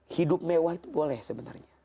hidup mewah itu boleh sebenarnya